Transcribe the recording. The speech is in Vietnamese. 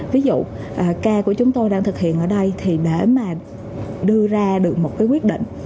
ví dụ ca của chúng tôi đang thực hiện ở đây thì để mà đưa ra được một cái quyết định